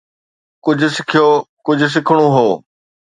ڪجهه سکيو، ڪجهه سکڻو هو